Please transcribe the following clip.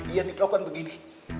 ian dilakukan begini